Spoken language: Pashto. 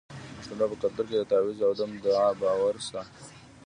د پښتنو په کلتور کې د تعویذ او دم دعا باور شته.